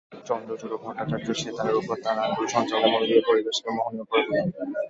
চন্দ্রচূড় ভট্টাচার্য সেতারের ওপর তাঁর আঙুল সঞ্চালনের মধ্যদিয়ে পরিবেশকে মোহনীয় করে তোলেন।